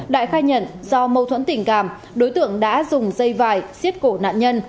đại khai nhận do mâu thuẫn tình cảm đối tượng đã dùng dây vải xiết cổ nạn nhân